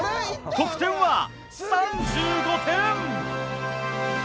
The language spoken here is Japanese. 得点は３５点。